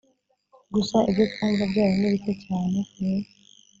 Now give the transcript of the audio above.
gusa ibyo twumva byayo ni bike cyane ni